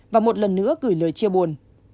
và một lần nữa gửi lời chia buồn